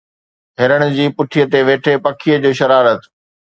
هرڻ جي پٺيءَ تي ويٺي پکيءَ جو شرارت